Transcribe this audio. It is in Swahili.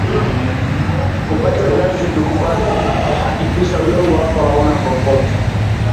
kupata viazi vikubwa hakikisha udongo wako hauna kokoto